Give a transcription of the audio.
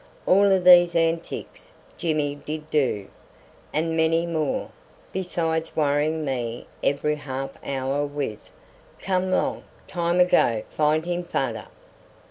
All of these antics Jimmy did do, and many more, besides worrying me every half hour with "Come long time a go find him fader."